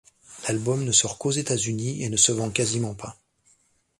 L'album ne sort qu'aux États-Unis et ne se vend quasiment pas.